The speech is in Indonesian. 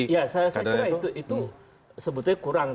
ya saya kira itu sebetulnya kurang